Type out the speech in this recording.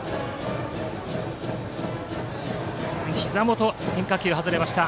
ひざ元、変化球が外れた。